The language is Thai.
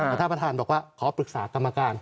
แต่ท่านประธานบอกว่าขอปรึกษากรรมการ